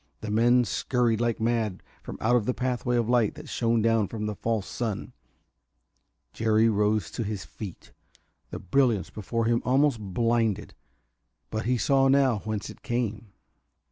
The men scurried like mad from out the pathway of light that shone down from the false sun. Jerry rose to his feet; the brilliance before him almost blinded, but he saw now whence it came.